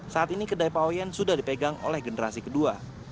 saat ini kedai paoyen sudah dipegang oleh generasi kedua